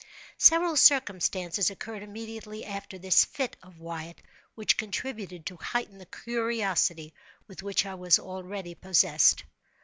Several circumstances occurred immediately after this fit of Wyatt which contributed to heighten the curiosity with which I was already possessed.